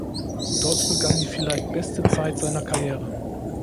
Dort begann die vielleicht beste Zeit seiner Karriere.